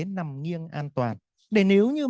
nằm nghiêng an toàn để nếu như